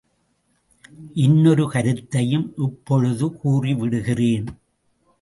இன்னொரு கருத்தையும் இப்பொழுதே கூறிவிடுகிறேன்.